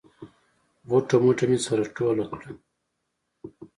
غوټه موټه مې سره ټوله کړه.